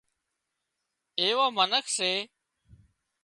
ايوان منک سي